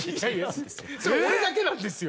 それ俺だけなんですよ。